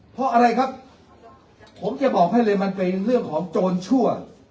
เพราะอะไรครับผมจะบอกให้เลยมันเป็นเรื่องของโจรชั่ว